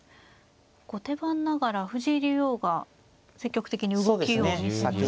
後手番ながら藤井竜王が積極的に動きを見せました。